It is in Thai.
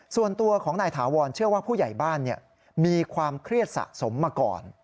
ส่วนตัวของนายถาวรเชื่อว่าผู้ใหญ่บ้านมีความเครียดสะสมมาก่อน